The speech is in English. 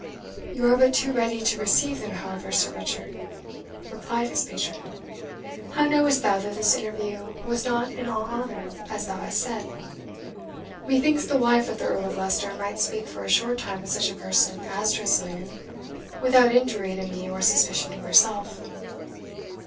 "You are but too ready to receive them, however, Sir Richard," replied his patron. "How knowest thou that this interview was not in all honour, as thou hast said? Methinks the wife of the Earl of Leicester might speak for a short time with such a person as Tressilian without injury to me or suspicion to herself."